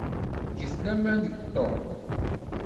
Get laman deg Tom.